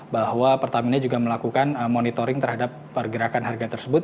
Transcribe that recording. bahwa pertamina juga melakukan monitoring terhadap pergerakan harga tersebut